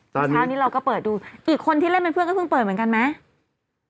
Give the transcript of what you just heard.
เช้านี้เราก็เปิดดูอีกคนที่เล่นเป็นเพื่อนก็เพิ่งเปิดเหมือนกันไหม